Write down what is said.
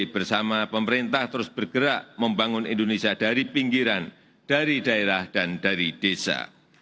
bersama pemerintah terus bergerak membangun indonesia dari pinggiran dari daerah dan dari desa